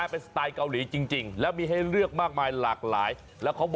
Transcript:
คือมันกินที่อื่นมันอร่อยกว่าทำเอง